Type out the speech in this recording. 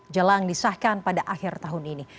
jelang disahkan pada akhir tahun ini